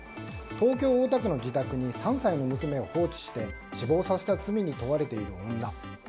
東京・大田区の自宅に３歳の娘を放置して死亡させた罪に問われている女。